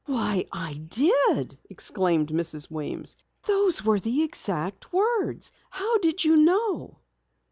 '" "Why, I did!" exclaimed Mrs. Weems. "Those were the exact words! How did you know?"